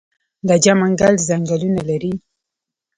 لجه منګل ځنګلونه لري؟